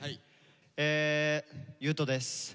え雄登です。